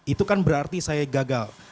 itu kan berarti saya gagal